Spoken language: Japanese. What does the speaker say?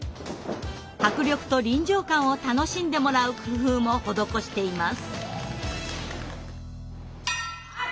迫力と臨場感を楽しんでもらう工夫も施しています。